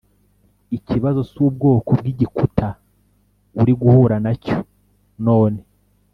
Ikibazo si ubwoko bw'igikuta uri guhura nacyo none